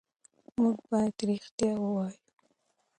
موږ باید رښتیا ووایو.